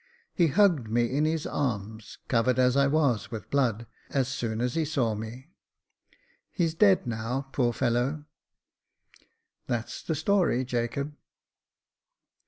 He hugged me in his arms, covered as I was with blood, as soon as he saw me. He's dead now, poor fellow !— That's the story, Jacob."